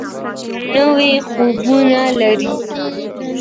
او نوي خوبونه لري.